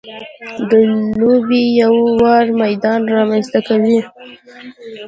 د لوبې یو ه وار میدان رامنځته کوي.